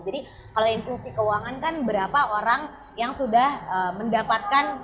jadi kalau inklusi keuangan kan berapa orang yang sudah mendapatkan